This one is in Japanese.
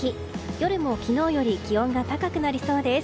夜も昨日より気温が高くなりそうです。